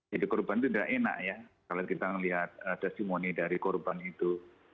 jadi korban itu tidak enak ya kalau kita melihat testimoni dari korban itu